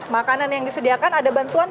makanan yang disediakan ada bantuan